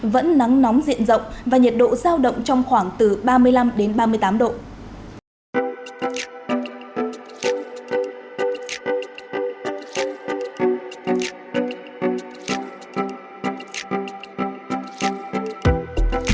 vẫn nắng nóng diện rộng và nhiệt độ giao động trong khoảng từ ba mươi năm đến ba mươi tám độ